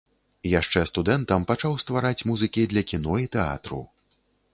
Яшчэ студэнтам пачаў ствараць музыкі для кіно і тэатру.